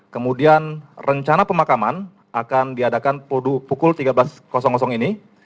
kemudian rencana pemakaman akan diadakan pukul tiga belas ini